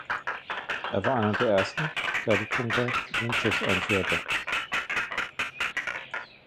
Er war einer der ersten, der die Conga in den Jazz einführte.